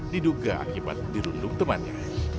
diduga akibat dirundung temannya